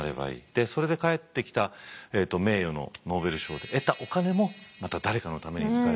それで返ってきた名誉のノーベル賞で得たお金もまた誰かのために使いたい。